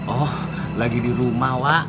oh lagi di rumah wak